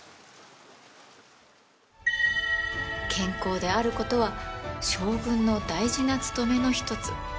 健康であることは将軍の大事な務めの一つ。